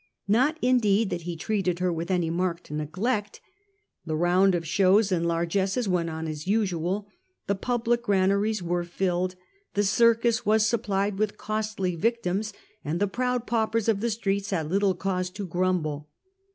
Not indeed that he treated her with any marked neglect. The round of shows and largesses went on as usual : the public granaries were filled, the circus was supplied with costly victims, and the proud paupers of the streets had little cause to grumble.